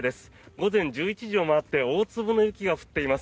午前１１時を回って大粒の雪が降っています。